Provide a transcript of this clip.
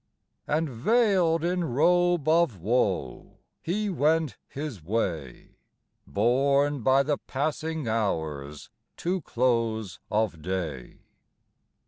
And veiled in robe of woe, he went his way, Borne by the passing hours to close of day.